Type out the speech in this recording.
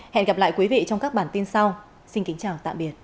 hẹn gặp lại quý vị trong các bản tin sau